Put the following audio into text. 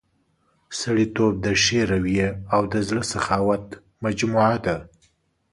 سړیتوب د ښې رويې او د زړه سخاوت مجموعه ده.